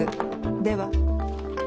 では。